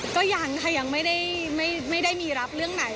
ก็ยังค่ะยังไม่ได้มีรับเรื่องไหน